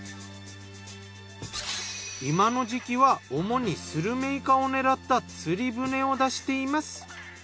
今の時期は主にスルメイカを狙った釣り船を出しています。